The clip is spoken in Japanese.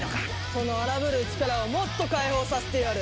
その荒ぶる力をもっと解放させてやる。